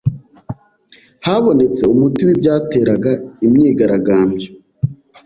Habonetse umuti w’ibyateraga imyigaragambyo